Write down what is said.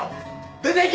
出ていけ！